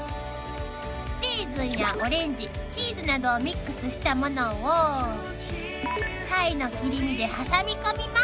［レーズンやオレンジチーズなどをミックスしたものをタイの切り身で挟み込みます］